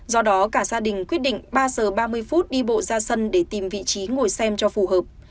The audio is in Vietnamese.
do đó cả gia đình quyết định ba giờ ba mươi phút đi bộ ra sân để tìm vị trí ngồi xem cho phù hợp